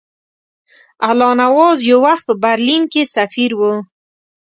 الله نواز یو وخت په برلین کې سفیر وو.